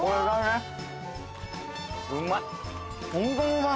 うまい。